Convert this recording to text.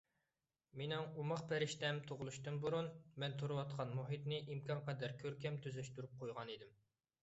مېنىڭ ئوماق پەرىشتەم تۇغۇلۇشتىن بۇرۇن، مەن تۇرۇۋاتقان مۇھىتنى ئىمكانقەدەر كۆركەم تۈزەشتۈرۈپ قويغانىدىم.